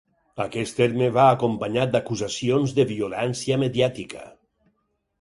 Aquest terme va acompanyat d'acusacions de violència mediàtica.